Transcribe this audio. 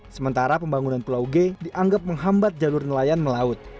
sementara pembangunan pulau g dianggap menghambat jalur nelayan melaut